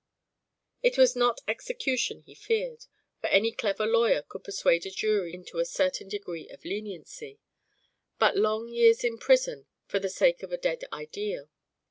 It was not execution he feared, for any clever lawyer could persuade a jury into a certain degree of leniency, but long years in prison for the sake of a dead ideal.